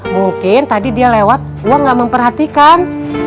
mungkin tadi dia lewat gue gak memperhatikan